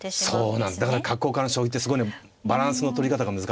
そうなんだから角交換の将棋ってすごいねバランスのとり方が難しい。